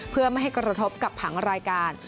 เพื่อไม่ให้กระทบกับผังรายการ